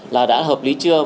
là đã hợp lý chưa